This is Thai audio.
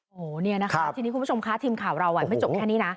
โอ้โหเนี่ยนะคะทีนี้คุณผู้ชมคะทีมข่าวเราไม่จบแค่นี้นะ